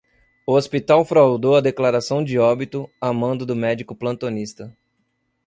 O hospital fraudou a declaração de óbito a mando do médico plantonista